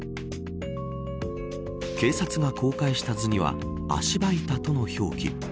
警察が公開した図には足場板との表記。